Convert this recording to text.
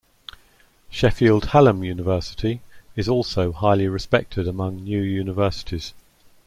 Sheffield Hallam University is also highly respected among New Universities.